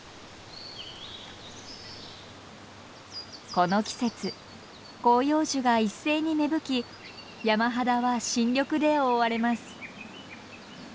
この季節広葉樹が一斉に芽吹き山肌は新緑で覆われます。